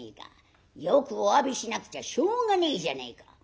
よくおわびしなくちゃしょうがねえじゃねえか」。